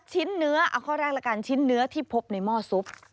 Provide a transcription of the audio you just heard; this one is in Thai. ชิ้นเนื้อเอาข้อแรกละกันชิ้นเนื้อที่พบในหม้อซุป